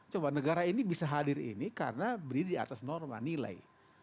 coba negara ini bisa hadir ini karena berdiri di atas norma nilai